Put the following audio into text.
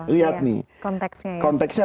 lihat nih konteksnya